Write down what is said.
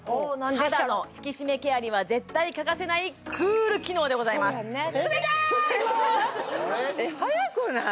肌の引き締めケアには絶対欠かせないＣＯＯＬ機能でございますそうやんねえっ早くない？